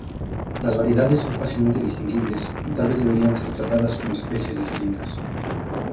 Las variedades son fácilmente distinguibles y tal vez debieran ser tratadas como especies distintas.